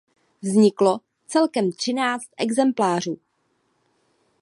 Vzniklo celkem třináct exemplářů.